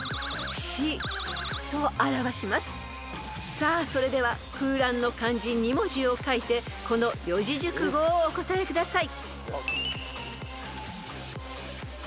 ［さあそれでは空欄の漢字２文字を書いてこの四字熟語をお答えください］